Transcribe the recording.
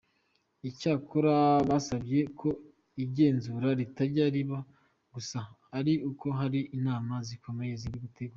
Icyakora basabye ko igenzura ritajya riba gusa ari uko hari inama zikomeye ziri gutegurwa.